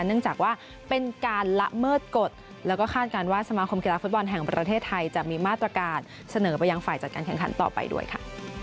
เนื่องจากว่าเป็นการละเมิดกฎแล้วก็คาดการณ์ว่าสมาคมกีฬาฟุตบอลแห่งประเทศไทยจะมีมาตรการเสนอไปยังฝ่ายจัดการแข่งขันต่อไปด้วยค่ะ